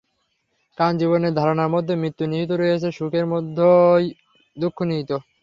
কারণ জীবনের ধারণার মধ্যেই মৃত্যু নিহিত রহিয়াছে, সুখের মধ্যেই দুঃখ নিহিত।